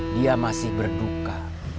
dia masih berduka